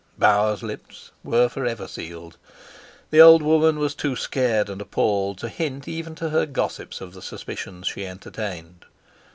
Bauer's lips were for ever sealed; the old woman was too scared and appalled to hint even to her gossips of the suspicions she entertained.